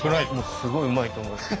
すごいうまいと思いますよ。